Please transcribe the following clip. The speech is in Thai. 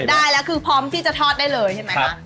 ได้แล้วคือพร้อมที่จะทอดได้เลยใช่ไหมคะ